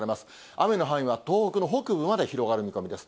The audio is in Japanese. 雨の範囲は東北の北部まで広がる見込みです。